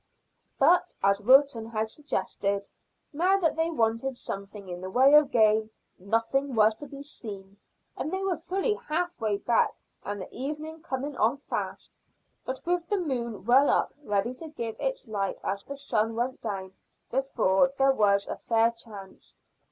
But, as Wilton had suggested, now that they wanted something in the way of game, nothing was to be seen, and they were fully half way back and the evening coming on fast, but with the moon well up ready to give its light as the sun went down, before there was a fair chance.